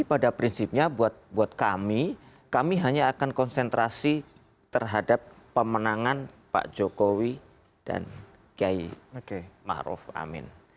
tapi pada prinsipnya buat kami kami hanya akan konsentrasi terhadap pemenangan pak jokowi dan kiai ma'ruf amin